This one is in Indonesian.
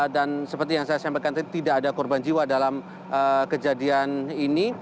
dan seperti yang saya sampaikan tadi tidak ada korban jiwa dalam kejadian ini